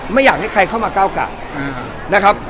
ไม่อยากให้ใครเข้ามาก้าวกะ